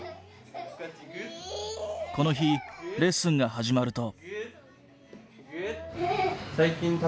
この日レッスンが始まると。